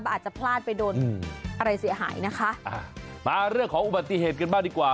อาจจะพลาดไปโดนอะไรเสียหายนะคะอ่ามาเรื่องของอุบัติเหตุกันบ้างดีกว่า